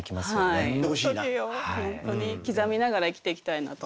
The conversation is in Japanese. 本当に刻みながら生きていきたいなと思いますね。